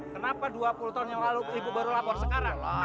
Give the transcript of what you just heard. kenapa dua puluh tahun yang lalu ibu baru lapor sekarang